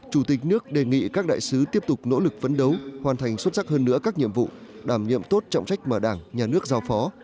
chủ tịch nước đề nghị các đại sứ tiếp tục nỗ lực phấn đấu hoàn thành xuất sắc hơn nữa các nhiệm vụ đảm nhiệm tốt trọng trách mà đảng nhà nước giao phó